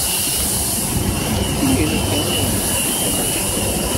Imir-a kan ay nezgel tamacint.